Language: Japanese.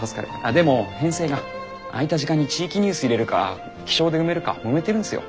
でも編成が空いた時間に地域ニュース入れるか気象で埋めるかもめてるんすよ。